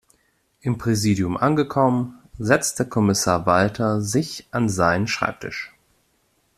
Im Präsidium angekommen, setzte Kommissar Walter sich an seinen Schreibtisch.